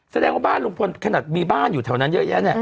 แสดงว่าบ้านลุงพลขนาดมีบ้านอยู่แถวนั้นเยอะแยะเนี่ย